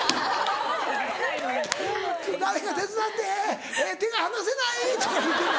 「誰か手伝って手が離せない？」とか言うてんの？